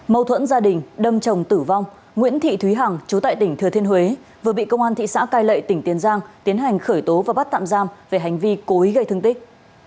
mâu thuẫn gia đình đâm chồng tử vong nguyễn thị thúy hằng chú tại tỉnh thừa thiên huế vừa bị công an thị xã cai lệ tỉnh tiền giang tiến hành khởi tố và bắt tạm giam về hành vi cố ý gây thương tích